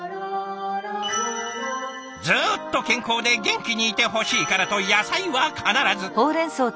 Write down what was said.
ずっと健康で元気にいてほしいからと野菜は必ず。